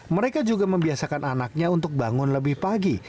mereka juga membiasakan anaknya untuk bangun lebih pagi